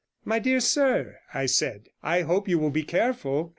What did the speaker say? "My dear sir," I said, "I hope you will be careful.